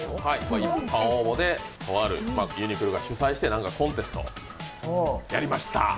一般応募でとある、ユニクロが主催してコンテストをやりました。